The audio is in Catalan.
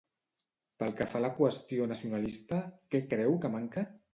Pel que fa a la qüestió nacionalista, què creu que manca?